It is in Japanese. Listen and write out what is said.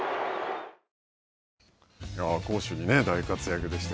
攻守に大活躍でした。